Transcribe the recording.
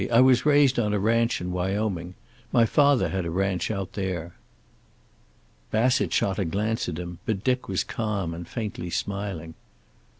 I was raised on a ranch in Wyoming. My father had a ranch out there." Bassett shot a glance at him, but Dick was calm and faintly smiling.